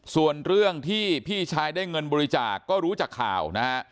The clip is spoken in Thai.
ส่วนเรื่องที่พี่ชายได้เงินบริจาคก็รู้จากข่าวนะฮะ